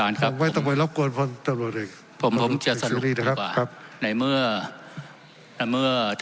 ทั้งสองกรณีผลเอกประยุทธ์